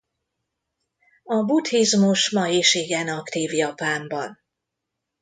A buddhizmus ma is igen aktív Japánban.